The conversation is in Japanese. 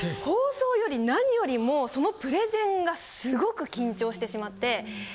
放送より何よりもうそのプレゼンがすごく緊張してしまって。